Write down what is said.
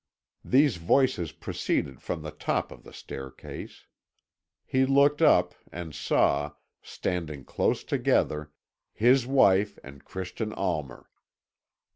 These voices proceeded from the top of the staircase. He looked up, and saw, standing close together, his wife and Christian Almer.